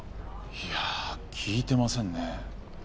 いやあ聞いてませんね